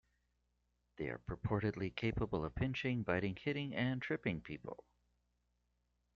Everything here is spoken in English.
They are purportedly capable of pinching, biting, hitting, and tripping people.